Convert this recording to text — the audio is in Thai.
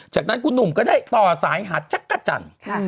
จากนั้นคุณหนุ่มก็ได้ต่อสายหาจักรจันทร์